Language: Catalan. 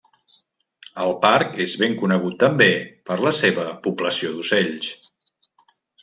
El parc és ben conegut també per la seva població d'ocells.